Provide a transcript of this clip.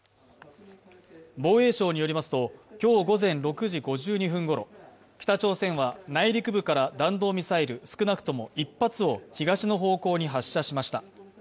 防衛省によりますと、今日午前６時５２分ごろ、北朝鮮は内陸部から弾道ミサイル少なくとも１発を東の方向に発射しました。